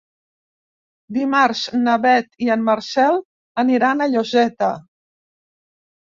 Dimarts na Beth i en Marcel aniran a Lloseta.